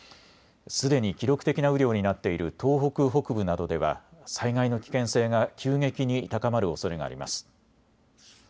すでに記録的な雨量になっている東北北部などでは災害の危険性が急激に高まるおそれがあります。